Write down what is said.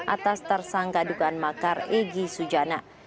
atas tersangka dugaan makar egy sujana